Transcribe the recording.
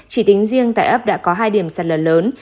chỉ tính riêng tại ấp đã có hai điểm sát lờ lớn